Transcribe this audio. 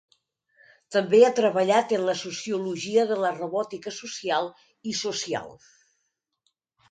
També ha treballat en la sociologia de la robòtica social i social.